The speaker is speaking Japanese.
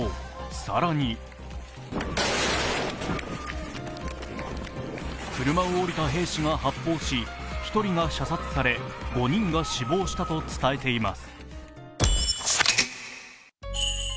更に車を降りた兵士が発砲し、１人が射殺され５人が死亡したと伝えています。